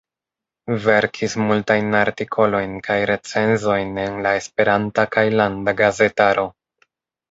Verkis multajn artikolojn kaj recenzojn en la esperanta kaj landa gazetaro.